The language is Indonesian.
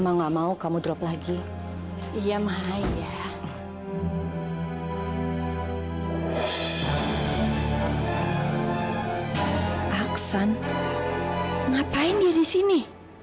ngapain dia disini